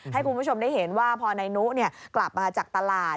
ให้คุณผู้ชมได้เห็นว่าพอนายนุกลับมาจากตลาด